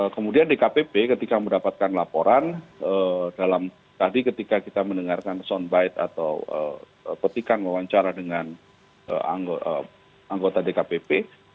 kemudian dkpp ketika mendapatkan laporan dalam tadi ketika kita mendengarkan soundbite atau petikan wawancara dengan anggota dkpp